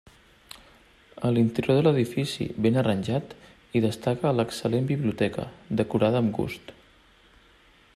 A l'interior de l'edifici, ben arranjat, hi destaca l'excel·lent biblioteca, decorada amb gust.